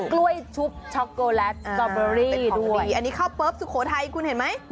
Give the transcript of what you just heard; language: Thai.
กล้วยชุบช็อกโกแลตสตอเบอรี่เป็นของดีอันนี้ข้าวเปิ๊บสุโขทัยคุณเห็นไหม